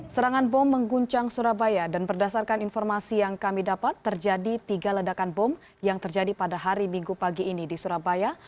serangan bom mengguncang surabaya dan berdasarkan informasi yang kami dapat terjadi tiga ledakan bom yang terjadi pada hari minggu pagi ini di surabaya